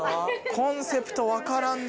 コンセプト分からんぞ。